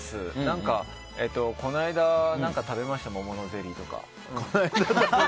この間、食べました桃のゼリーとか。